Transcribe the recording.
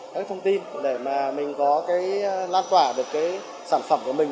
các thông tin để mà mình có cái lan quả được cái sản phẩm của mình